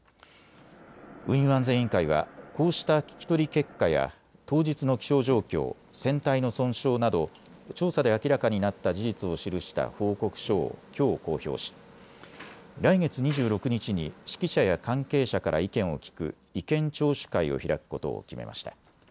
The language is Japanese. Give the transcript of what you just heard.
運輸安全委員会は、こうした聞き取り結果や当日の気象状況、船体の損傷など調査で明らかになった事実を記した報告書をきょう公表し来月２６日に識者や関係者から意見を聞く意見聴取会を開くことを決めました。